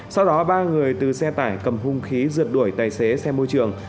sau đó ba người từ xe tải cầm hung khí rượt đuổi tài xế xe môi trường